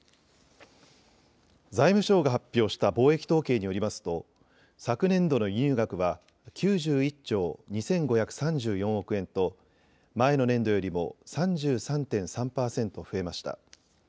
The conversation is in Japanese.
財務省が発表した貿易統計によりますと昨年度の輸入額は９１兆２５３４億円と前の年度よりも３３．３％増えました。